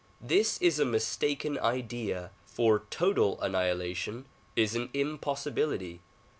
This is a mistaken idea, for total anni hilation is an impossibility.